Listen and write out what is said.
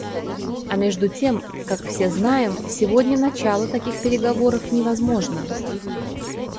А между тем, как все знаем, сегодня начало таких переговоров невозможно.